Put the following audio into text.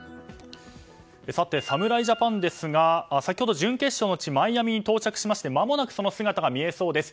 さて侍ジャパンですが先ほど、準決勝の地マイアミに到着しましてまもなくその姿が見られそうです。